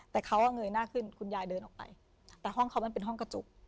แต่เขาเงยหน้าขึ้นคุณยายเดินออกไปแต่ห้องเขามันเป็นห้องกระจก